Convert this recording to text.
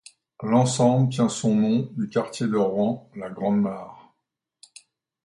L'ensemble tient son nom du quartier de Rouen, la Grand'Mare.